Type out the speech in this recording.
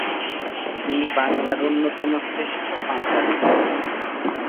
তিনি বাংলার অন্যতম শ্রেষ্ঠ পাঁচালীকার।